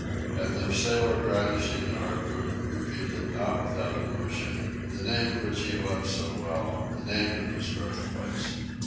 And the sailor brandishing the harpoon, repeated, not without emotion, the name which he loved so well the name of his birthplace.